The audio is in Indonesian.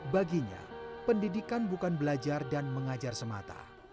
baginya pendidikan bukan belajar dan mengajar semata